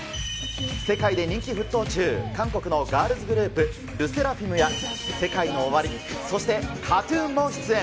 世界で人気沸騰中、韓国のガールズグループ、ＬＥＳＳＥＲＡＦＩＭや、ＳＥＫＡＩＮＯＯＷＡＲＩ、そしてＫＡＴーＴＵＮも出演。